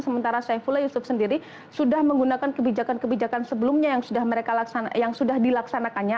sementara saifullah yusuf sendiri sudah menggunakan kebijakan kebijakan sebelumnya yang sudah dilaksanakannya